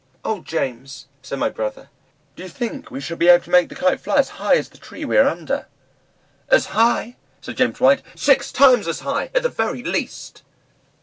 "O, James," said my brother, "do you think we shall be able to make the Kite fly as high as the tree we are under?" "As high!" said James White, "six times as high, at the very least."